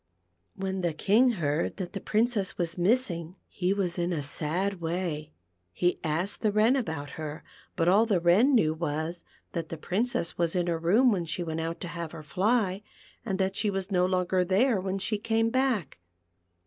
When the King heard that the Princess was missing he was in a sad way. He asked the Wren about her, but all the Wren knew was, that the Princess was in her room when she went out to have her fly, and that she was no longer there when she came back.